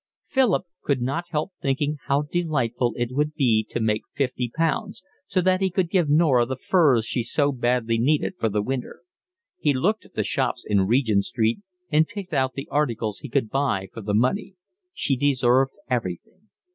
Philip could not help thinking how delightful it would be to make fifty pounds, so that he could give Norah the furs she so badly needed for the winter. He looked at the shops in Regent Street and picked out the articles he could buy for the money. She deserved everything.